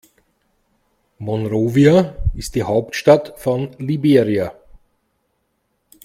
Monrovia ist die Hauptstadt von Liberia.